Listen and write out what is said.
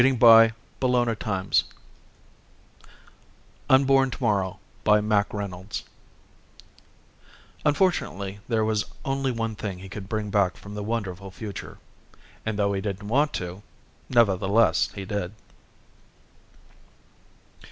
net UNBORN TOMORROW BY MACK REYNOLDS Illustrated by Freas _Unfortunately, there was only one thing he could bring back from the wonderful future ... and though he didn't want to ... nevertheless he did....